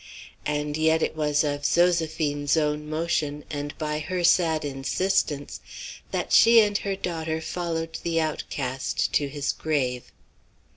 And yet it was of Zoséphine's own motion, and by her sad insistence, that she and her daughter followed the outcast to his grave.